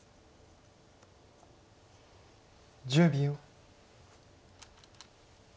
１０秒。